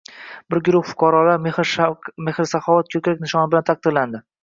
Bir guruh fuqarolar mehr-saxovat ko‘krak nishoni bilan taqdirlandi